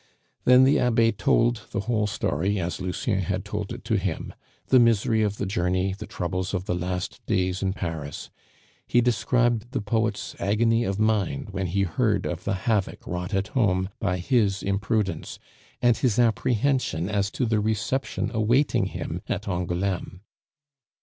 Then the Abbe told the whole story as Lucien had told it to him the misery of the journey, the troubles of the last days in Paris. He described the poet's agony of mind when he heard of the havoc wrought at home by his imprudence, and his apprehension as to the reception awaiting him at Angouleme.